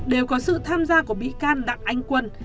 đều có sự tham gia của bị can đặng anh quân